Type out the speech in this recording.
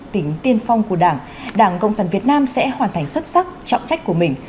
tính tiên phong của đảng đảng cộng sản việt nam sẽ hoàn thành xuất sắc trọng trách của mình